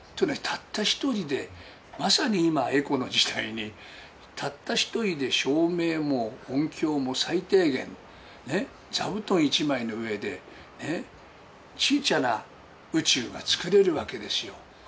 たった一人でまさに今、エコの時代に、たった一人で照明も音響も最低限、座布団一枚の上で、ちいちゃな宇宙が作れるわけですよ。